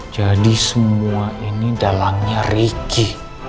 jadi semua ini dalangnya riki